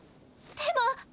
でも。